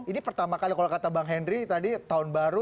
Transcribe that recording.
ini pertama kali kalau kata bang henry tadi tahun baru